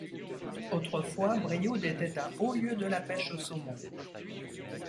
Autrefois, Brioude était un haut lieu de la pêche au saumon.